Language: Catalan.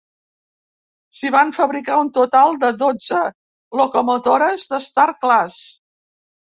S'hi van fabricar un total de dotze locomotores Star Class.